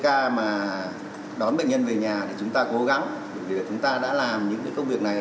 khi mà các em đưa bệnh nhân về nhà và về cái nơi cách đi tiếp vào địa phương ấy